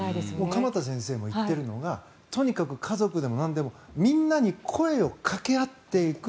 鎌田先生も言っているのがとにかく家族でもなんでもみんなに声をかけ合っていく。